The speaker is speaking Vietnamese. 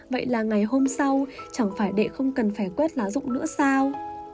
vậy là ngày hôm sau chẳng phải đệ không cần phải quét lá rụng nữa sao